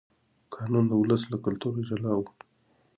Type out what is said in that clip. قانون د ولس له کلتوره جلا و.